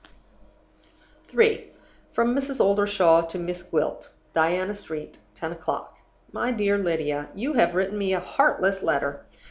3. From Mrs. Oldershaw to Miss Gwilt. "Diana Street, 10 o'clock. "MY DEAR LYDIA You have written me a heartless letter.